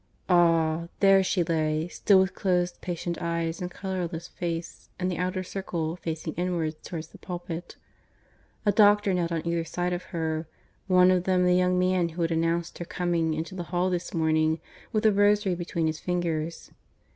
Ah! there she lay, still with closed patient eyes and colourless face, in the outer circle facing inwards towards the pulpit. A doctor knelt on either side of her one of them the young man who had announced her coming into the hall this morning, with a rosary between his fingers.